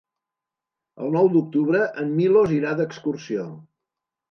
El nou d'octubre en Milos irà d'excursió.